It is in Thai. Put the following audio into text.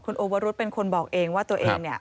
คุณโอเวอรุธเป็นคนบอกเองว่าตัวเอง